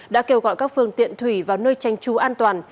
đã kêu gọi các phương tiện thủy vào nơi tranh trú an toàn